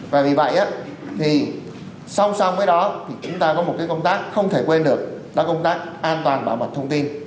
và vì vậy thì song song với đó chúng ta có một công tác không thể quên được đó là công tác an toàn bảo mật thông tin